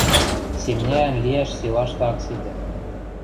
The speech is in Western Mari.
Семняӓн лиӓш силашты ак ситӹ.